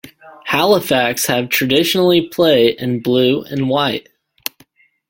Halifax have traditionally play in blue and white.